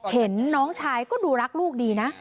เห็นน้องชายก็ดูรักลูกดีนะ